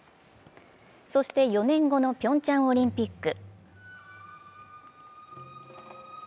そして４年後のピョンチャンオリンピック。